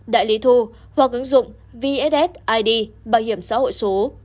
đại lý thu hoặc ứng dụng vssid bảo hiểm xã hội số